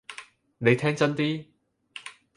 你聽真啲！